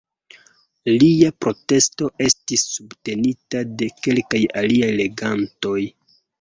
Lia protesto estis subtenita de kelkaj aliaj legantoj.